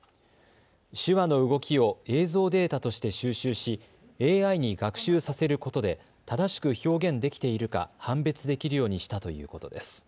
手話の動きを映像データとして収集しＡＩに学習させることで正しく表現できているか判別できるようにしたということです。